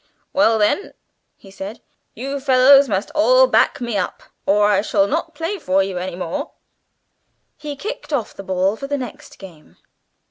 "Well then," he said, "you fellows must all back me up, or I shall not play for you any more;" and he kicked off the ball for the next game.